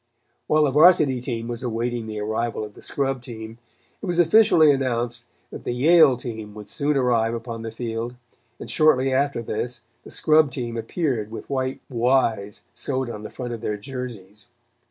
While the Varsity team was awaiting the arrival of the scrub team, it was officially announced that the Yale team would soon arrive upon the field, and shortly after this, the scrub team appeared with white "Y's" sewed on the front of their jerseys.